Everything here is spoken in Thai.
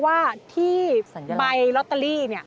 ว่าที่ใบลอตเตอรี่